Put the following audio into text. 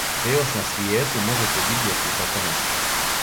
Гдје још на свијету можете видјети тако нешто?